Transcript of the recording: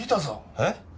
えっ？